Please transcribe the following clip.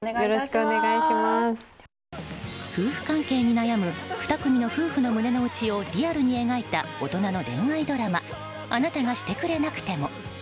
夫婦関係に悩む２組の夫婦の胸の内をリアルに描いた大人の恋愛ドラマ「あなたがしてくれなくても」。